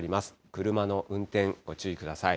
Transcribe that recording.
車の運転、ご注意ください。